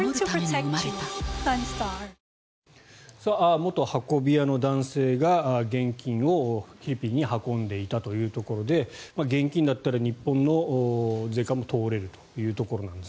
元運び屋の男性が現金をフィリピンに運んでいたというところで現金だったら日本の税関も通れるということです。